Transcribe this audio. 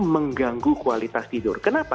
mengganggu kualitas tidur kenapa